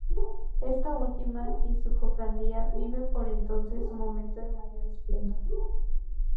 Esta última y su cofradía viven por entonces su momento de mayor esplendor.